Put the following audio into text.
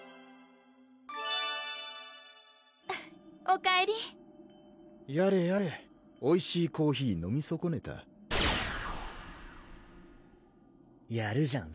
おかえりやれやれおいしいコーヒー飲みそこねたやるじゃん